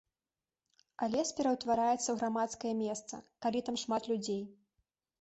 А лес пераўтвараецца ў грамадскае месца, калі там шмат людзей.